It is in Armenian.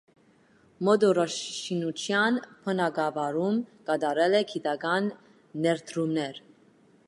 Մոտորաշինության բնագավառում կատարել է գիտական ներդրումներ։